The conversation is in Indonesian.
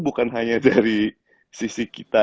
bukan hanya dari sisi kita